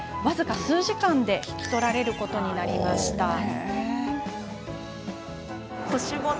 僅か数時間で引き取られることになりました。